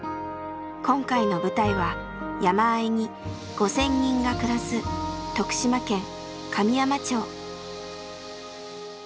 今回の舞台は山あいに５，０００人が暮らす徳島県神山町。